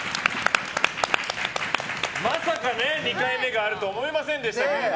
まさか、２回目があるとは思いませんでしたけど。